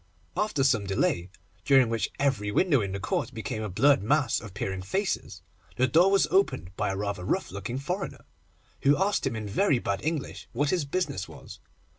After some delay, during which every window in the court became a blurred mass of peering faces, the door was opened by a rather rough looking foreigner, who asked him in very bad English what his business was.